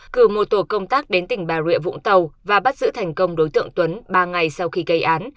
cử một tổ công tác đến tỉnh bà rịa vũng tàu và bắt giữ thành công đối tượng tuấn ba ngày sau khi gây án